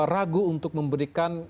ragu untuk memberikan